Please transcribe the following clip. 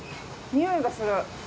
においがする。